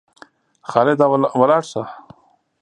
خالده ولاړ سه!